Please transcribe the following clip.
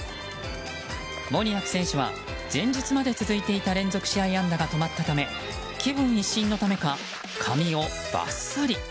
モニアク選手は前日まで続いていた連続試合安打が止まったため気分一新のためか髪をバッサリ。